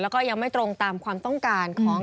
แล้วก็ยังไม่ตรงตามความต้องการของ